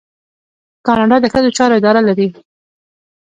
کاناډا د ښځو چارو اداره لري.